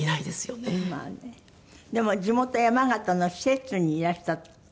でも地元山形の施設にいらした時。